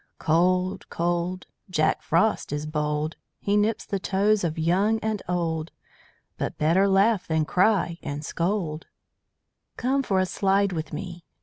Cold, cold! Jack Frost is bold. He nips the toes of young and old. But better laugh than cry and scold. Come for a slide with me.